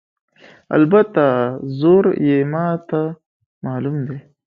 البته زور یې ماته معلوم دی.